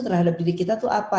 terhadap diri kita itu apa